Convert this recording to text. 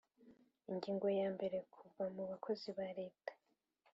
Ingingo ya mbere Kuva mu bakozi ba Leta